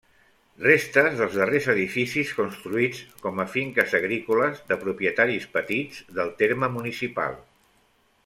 Restes dels darrers edificis construïts com a finques agrícoles de propietaris petits del terme municipal.